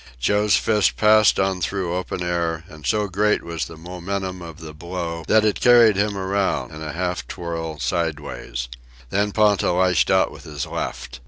Joe's fist passed on through empty air, and so great was the momentum of the blow that it carried him around, in a half twirl, sideways. Then Ponta lashed out with his left.